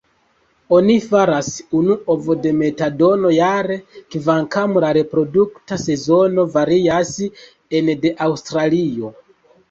Oni faras unu ovodemetadon jare, kvankam la reprodukta sezono varias ene de Aŭstralio.